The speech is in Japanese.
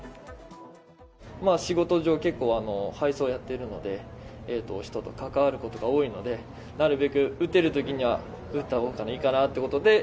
仕事上、結構、配送をやっているので、ひととかかわることがおおいのでなるべく打てるときには打ったほうがいいかなということで。